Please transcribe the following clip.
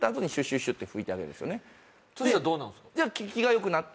そしたらどうなるんすか？